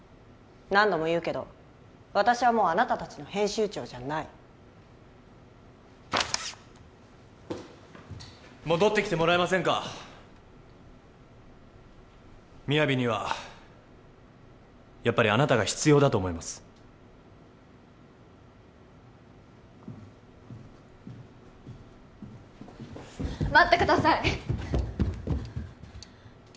何度も言うけど私はもうあなた達の編集長じゃない戻ってきてもらえませんか「ＭＩＹＡＶＩ」にはやっぱりあなたが必要だと思います待ってください